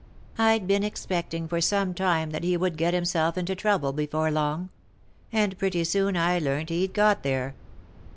I'd been expecting for some time that he would get himself into trouble before very long, and pretty soon I learnt he'd got there.